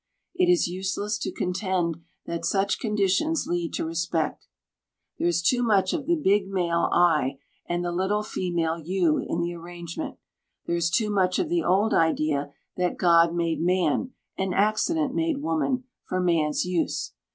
It is useless to contend that such conditions lead to respect. There is too much of the big male I, and the little female you, in the arrangement. There is too much of the old idea that God made man, and accident made woman, for man's use.